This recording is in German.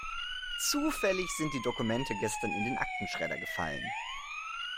Zufällig sind die Dokumente gestern in den Aktenschredder gefallen.